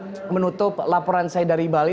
ini akan menutup laporan saya dari bali